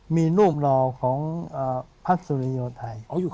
มีรูปหลอของพัฒน์สุริโยธัย